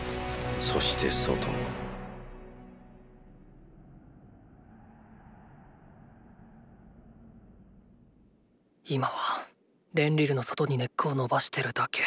そして外も今はレンリルの外に根っこをのばしてるだけ。